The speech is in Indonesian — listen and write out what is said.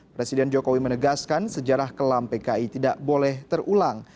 presiden jokowi menegaskan sejarah kelam pki tidak boleh terulang